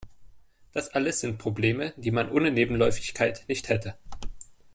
Das alles sind Probleme, die man ohne Nebenläufigkeit nicht hätte.